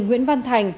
nguyễn văn thành